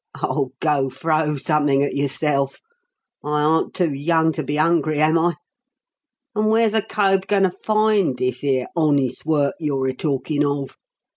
_ Oh, go throw summink at yourself! I aren't too young to be 'ungry, am I? And where's a cove goin' to find this 'ere 'honest work' you're a talkin' of?